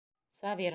Сабир.